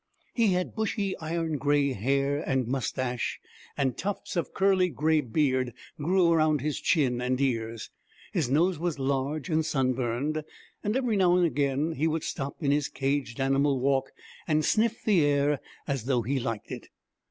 He had bushy iron gray hair and moustache, and tufts of curly gray beard grew around his chin and ears. His nose was large and sunburned; and every now and again he would stop in his caged animal walk and sniff the air as though he liked it.